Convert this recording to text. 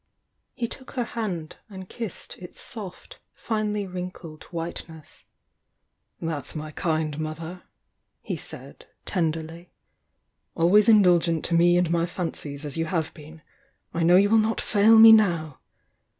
He took her hand and kissed its soft, finely wrin kled whiteness. "That's my kind mother!" he said, tenderly — "Always indulgent to me and my fancies as you have been, I know you will not fail me now!